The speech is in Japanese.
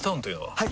はい！